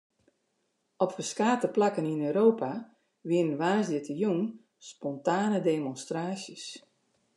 Op ferskate plakken yn Europa wiene woansdeitejûn spontane demonstraasjes.